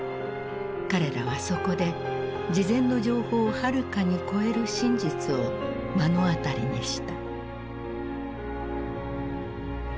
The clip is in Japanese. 彼らはそこで事前の情報をはるかに超える真実を目の当たりにした。